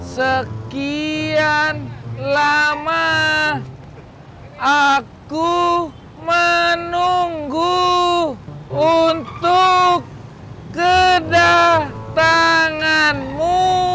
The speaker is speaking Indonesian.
sekian lama aku menunggu untuk kedatanganmu